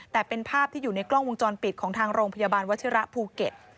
แต่เป็นภาพที่อยู่ในกล้องวงจรปิดของทางโรงพยาบาลวัชิระภูเก็ต